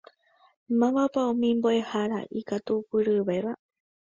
Mávapa umi mboʼehára ikatupyryvéva?